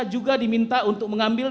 juga diminta untuk mengambil